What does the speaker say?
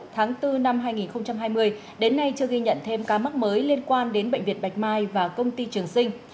tháng bốn năm hai nghìn hai mươi đến nay chưa ghi nhận thêm ca mắc mới liên quan đến bệnh viện bạch mai và công ty trường sinh